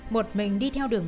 một mình đi theo đường